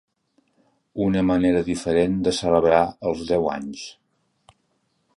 Una manera diferent de celebrar els deu anys.